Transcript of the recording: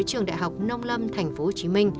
trường đại học nông lâm tp hcm